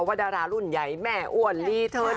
ว่าดารารุ่นใหญ่แม่อว่อนลีเทิน